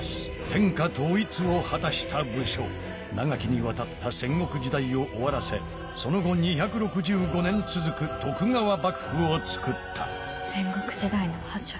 天下統一を果たした武将長きにわたった戦国時代を終わらせその後２６５年続く徳川幕府をつくった戦国時代の覇者。